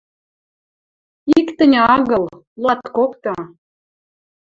«Ик тӹньӹ агыл, луаткокты.